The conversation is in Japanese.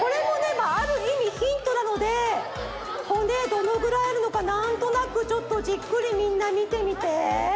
まああるいみヒントなので骨どのぐらいあるのかなんとなくちょっとじっくりみんなみてみて。